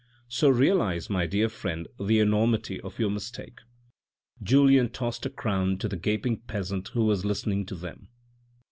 So realise, my dear friend, the enormity of your mistake." Julien tossed a crown to the gaping peasant who was listening to them.